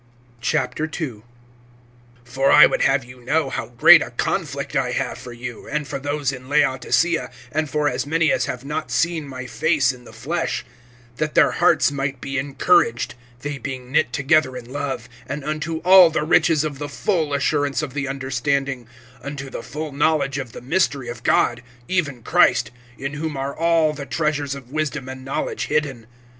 II. FOR I would have you know how great a conflict I have for you, and for those in Laodicea, and for as many as have not seen my face in the flesh; (2)that their hearts might be encouraged, they being knit together in love, and unto all the riches of the full assurance of the understanding, unto the full knowledge of the mystery of God, even Christ; (3)in whom are all the treasures of wisdom and knowledge hidden.